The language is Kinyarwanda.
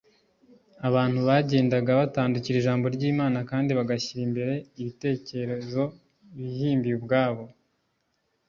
Abantu bagendaga batandukira ijambo ry’Imana, kandi bagashyira imbere ibitekero bihimbiye ubwabo